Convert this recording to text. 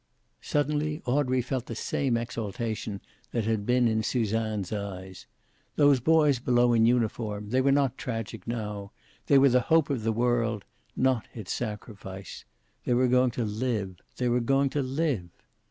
Suddenly Audrey felt the same exaltation that had been in Suzanne's eyes. Those boys below in uniform they were not tragic now. They were the hope of the world, not its sacrifice. They were going to live. They were going to live.